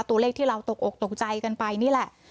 ตัวเลขที่เราตกอกตกใจกันไปนี่แหละ